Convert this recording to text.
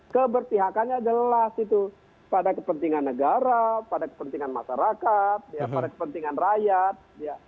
keberpihakannya jelas itu pada kepentingan negara pada kepentingan masyarakat pada kepentingan rakyat